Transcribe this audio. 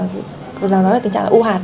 và nó là tình trạng là u hạt